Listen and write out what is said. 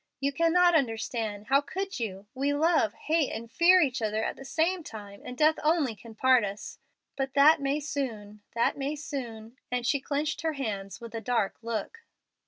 "You cannot understand. How could you? We love, hate, and fear each other at the same time, and death only can part us. But that may soon that may soon;" and she clenched her hands with a dark look.